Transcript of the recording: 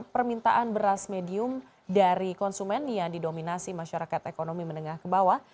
permintaan beras medium dari konsumen yang didominasi masyarakat ekonomi menengah ke bawah